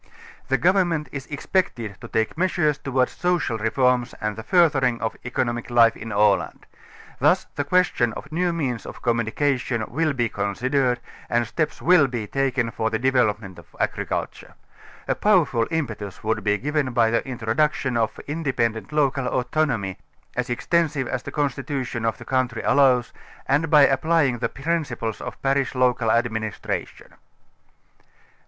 The govern ment is expected to take measures towards social reforms and the furthering of the economic life in Aland. Thus the question of new means of communicatioii will be considered and steps will be taken for the developement of agriculture. A powerful impetus would be given by the introduction of independent local autonomy, as extensive as the constitu tion of the country allows, and by applying the principles of parish local administration.